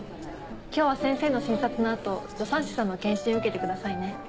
今日は先生の診察のあと助産師さんの検診受けてくださいね。